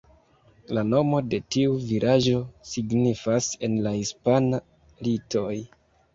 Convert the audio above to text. La nomo de tiu vilaĝo signifas en la hispana "Litoj".